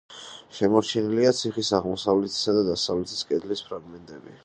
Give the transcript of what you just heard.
შემორჩენილია ციხის აღმოსავლეთისა და დასავლეთის კედლის ფრაგმენტები.